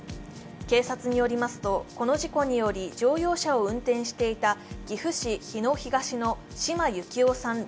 警察によりますと、この事故により乗用車を運転していた岐阜市日野東の島幸夫さん